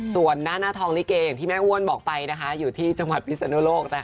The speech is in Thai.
ส่วนหน้าทองลิเกอย่างที่แม่อ้วนบอกไปอยู่ที่จังหวัดพิศนุโลก